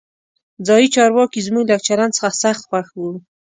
ځایي چارواکي زموږ له چلند څخه سخت خوښ وو.